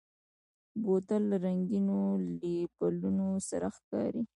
بوتل له رنګینو لیبلونو سره ښکاري.